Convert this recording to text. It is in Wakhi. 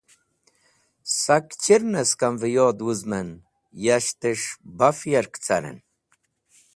Sak chirnẽ skamvẽ yod wũzmẽn, yashtẽs̃h baf yark carẽn.